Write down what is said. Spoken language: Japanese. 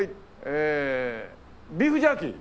えービーフジャーキー。